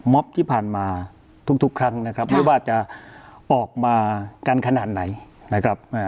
ที่ผ่านมาทุกครั้งนะครับไม่ว่าจะออกมากันขนาดไหนนะครับ